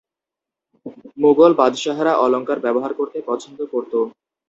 মুগল বাদশাহরা অলঙ্কার ব্যবহার করতে পছন্দ করত।